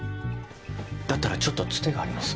だったらちょっとつてがあります。